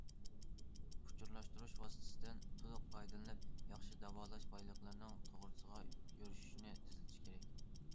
ئۇچۇرلاشتۇرۇش ۋاسىتىسىدىن تولۇق پايدىلىنىپ، ياخشى داۋالاش بايلىقلىرىنىڭ توغرىسىغا يۈرۈشۈشىنى تېزلىتىش كېرەك.